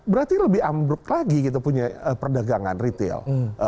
berarti lebih ambruk lagi kita punya perdagangan retail